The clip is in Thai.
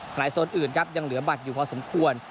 โซนอื่นครับยังเหลือบัตรอยู่พอสมควร